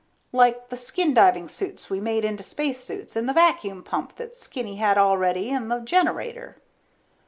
Like the skin diving suits we made into spacesuits and the vacuum pump that Skinny had already and the generator.